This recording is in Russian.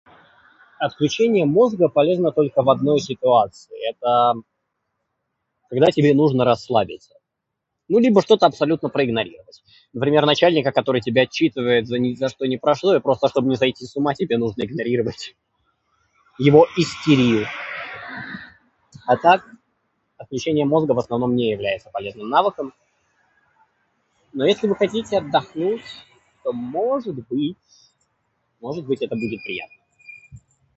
Отключение мозга полезно только в одной ситуации - это когда тебе нужно расслабиться. Ну либо что-то абсолютно проигнорировать. Например, начальника, который тебя отчитывает за ни за что ни про что и просто чтоб не сойти с ума, тебе нужно игнорировать его истерию. А так, отключение мозга в основном не является полезным навыком. Но если вы хотите отдохнуть, то может быть... может это будет приятно.